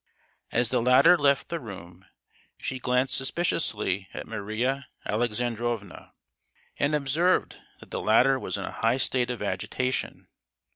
As the latter left the room, she glanced suspiciously at Maria Alexandrovna, and observed that the latter was in a high state of agitation.